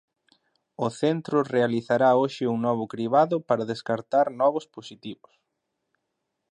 O centro realizará hoxe un novo cribado para descartar novos positivos.